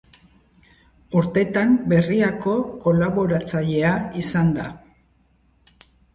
Urtetan Berriako kolaboratzailea izan da.